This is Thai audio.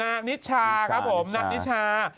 นิชชาครับผมนัทนิชา